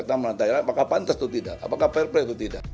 apakah pantas atau tidak